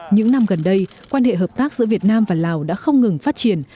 những năm gần đây quan hệ hợp tác giữa việt nam và lào đã không ngừng phát triển